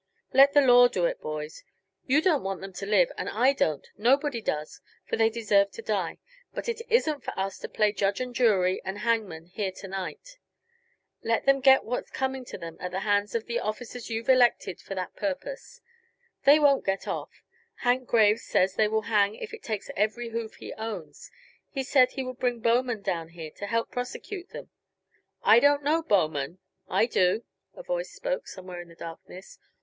"Let the law do it, boys. You don't want them to live, and I don't; nobody does, for they deserve to die. But it isn't for us to play judge and jury and hangman here to night. Let them get what's coming to them at the hands of the officers you've elected for that purpose. They won't get off. Hank Graves says they will hang if it takes every hoof he owns. He said he would bring Bowman down here to help prosecute them. I don't know Bowman " "I do," a voice spoke, somewhere in the darkness.